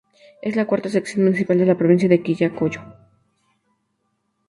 Es la cuarta sección municipal de la provincia de Quillacollo.